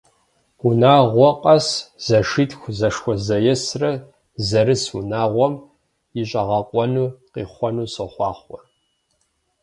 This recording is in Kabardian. Унагъуэ къэс зэшитху зэшхуэзэесрэ зэрыс унагъуэм и щӀэгъэкъуэну къихъуэну сохъуахъуэ!